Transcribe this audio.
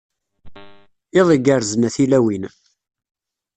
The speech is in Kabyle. Iḍ igerrzen a tilawin.